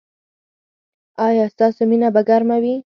ایا ستاسو مینه به ګرمه وي؟